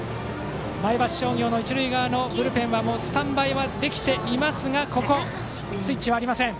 前橋商業の一塁側のブルペンはスタンバイはできていますがここでスイッチはありません。